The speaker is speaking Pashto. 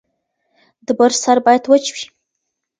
د برس سر باید وچ وي.